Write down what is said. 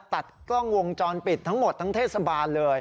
ตัดกล้องวงจรปิดทั้งหมดทั้งเทศบาลเลย